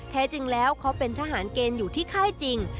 แท้จริงแล้วเขาเป็นทหารเกณฑ์อยู่ที่ค่ายจริง